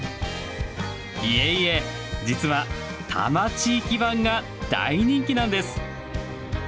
いえいえ、実は多摩地域版が大人気なんです。